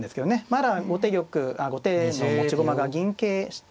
まだ後手の持ち駒が銀桂